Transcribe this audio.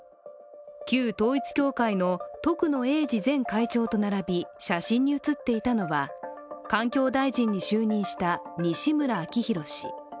旧統一教会の徳野英治前会長と並び写真に写っていたのは環境大臣に就任した西村明宏氏。